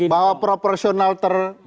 bahwa proporsional terbuka itu rakyat